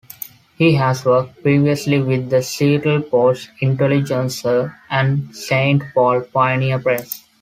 He has worked previously with the Seattle Post-Intelligencer and Saint Paul Pioneer Press.